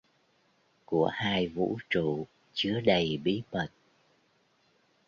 của hai vũ trụ chứa đầy bí mật.